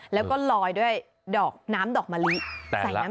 แล้วก็ลอยด้วยดอกน้ำดอกมะลิใส่น้ำ